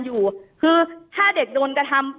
แต่คุณยายจะขอย้ายโรงเรียน